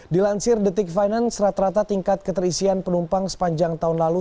di lansir the tick finance rata rata tingkat keterisian penumpang sepanjang tahun lalu